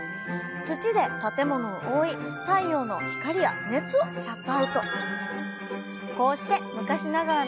土で建物を覆い太陽の光や熱をシャットアウト。